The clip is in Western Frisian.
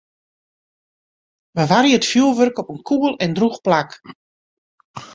Bewarje it fjurwurk op in koel en drûch plak.